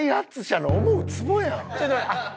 ちょっと待って。